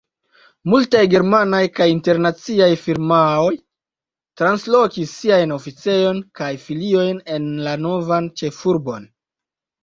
Multaj germanaj kaj internaciaj firmaoj translokis siajn oficejojn kaj filiojn en la novan ĉefurbon.